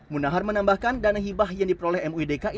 munahan menambahkan dana hibah yang diperoleh muidki